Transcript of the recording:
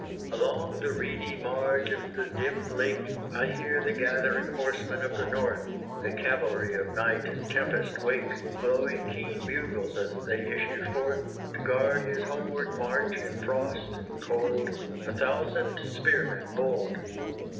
Along the reedy marge of the dim lake, I hear the gathering horsemen of the North, The cavalry of night and tempest wake, Blowing keen bugles as they issue forth, To guard his homeward march in frost and cold, A thousand spearmen bold!